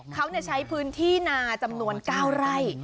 เขาใช้พื้นที่นาจำนวน๙ไร่